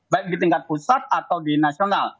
baik di tingkat pusat atau di nasional